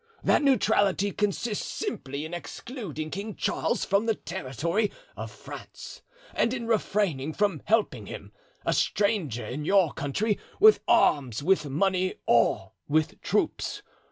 That neutrality consists simply in excluding King Charles from the territory of France and in refraining from helping him—a stranger to your country—with arms, with money or with troops.